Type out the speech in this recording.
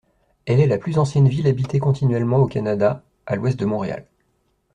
Elle est la plus ancienne ville habitée continuellement au Canada à l'ouest de Montréal.